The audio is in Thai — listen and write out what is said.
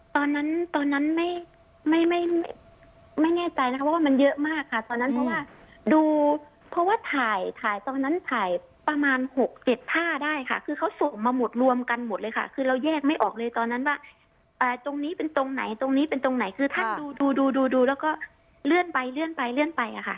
ตอนนั้นตอนนั้นไม่ไม่แน่ใจนะคะว่ามันเยอะมากค่ะตอนนั้นเพราะว่าดูเพราะว่าถ่ายถ่ายตอนนั้นถ่ายประมาณ๖๗ท่าได้ค่ะคือเขาส่งมาหมดรวมกันหมดเลยค่ะคือเราแยกไม่ออกเลยตอนนั้นว่าตรงนี้เป็นตรงไหนตรงนี้เป็นตรงไหนคือท่านดูดูแล้วก็เลื่อนไปเลื่อนไปเลื่อนไปอะค่ะ